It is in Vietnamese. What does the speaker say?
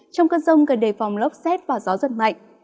trong cơn rông cần đề phòng lốc xét và gió giật mạnh